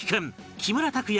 木村拓哉